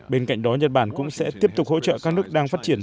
bên cạnh đó nhật bản cũng sẽ tiếp tục hỗ trợ các nước đang phát triển